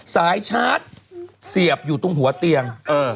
สายชาร์จเสียบอยู่ตรงหัวเตียง